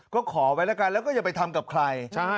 ก็ขอไว้แล้วกันแล้วก็อย่าไปทำกับใคร